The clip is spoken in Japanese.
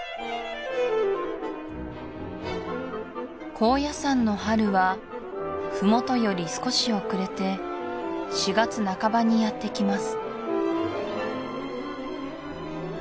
高野山の春は麓より少し遅れて４月半ばにやってきます